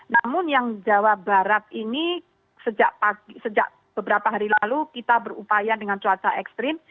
namun yang jawa barat ini sejak beberapa hari lalu kita berupaya dengan cuaca ekstrim